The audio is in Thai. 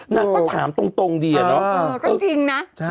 นักก็ถามตรงดีเนอะ